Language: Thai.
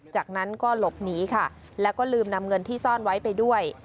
จากนั้นก็หลบหนีค่ะแล้วก็ลืมนำเงินที่ซ่อนไว้ไปด้วย